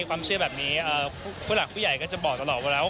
ความเชื่อแบบนี้ผู้หลักผู้ใหญ่ก็จะบอกตลอดว่าแล้ว